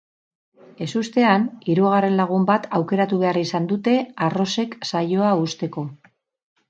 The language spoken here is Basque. Ezustean, hirugarren lagun bat aukeratu behar izan dute arrosek saioa uzteko.